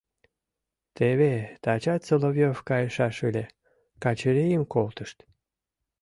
Теве тачат Соловьев кайшаш ыле, Качырийым колтышт.